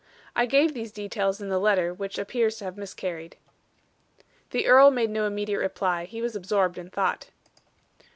I gave these details in the letter, which appears to have miscarried." The earl made no immediate reply; he was absorbed in thought.